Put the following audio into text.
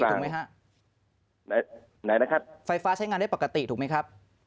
ถูกมั้ยครับไหนนะครับไฟฟ้าใช้งานได้ปกติถูกมั้ยครับ